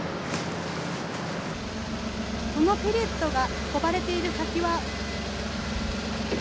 このペレットが運ばれている先は。